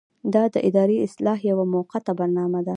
دا د ادارې د اصلاح یوه موقته برنامه ده.